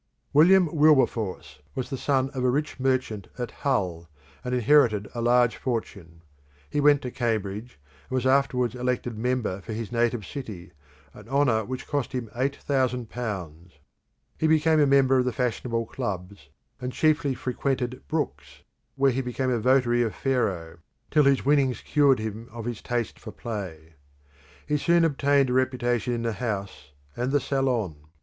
William Wilberforce was the son of a rich merchant at Hull, and inherited a large fortune. He went to Cambridge, and was afterwards elected member for his native city, an honour which cost him Ł8,000. He became a member of the fashionable clubs, and chiefly frequented Brooks', where he became a votary of faro till his winnings cured him of his taste for play. He soon obtained a reputation in the House and the salon.